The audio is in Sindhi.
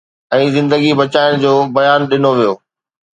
۽ زندگي بچائڻ جو بيان ڏنو ويو.